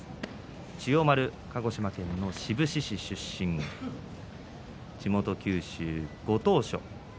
千代丸は鹿児島県志布志市出身地元九州ご当所。